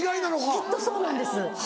きっとそうなんです。